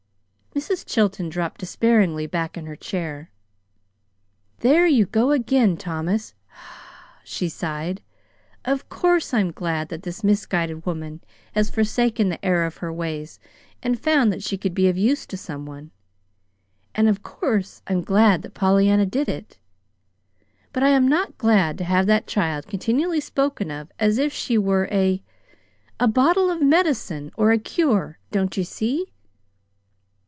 Mrs. Chilton dropped despairingly back in her chair. "There you go again, Thomas," she sighed. "Of COURSE I'm glad that this misguided woman has forsaken the error of her ways and found that she can be of use to some one. And of course I'm glad that Pollyanna did it. But I am not glad to have that child continually spoken of as if she were a a bottle of medicine, or a 'cure.' Don't you see?"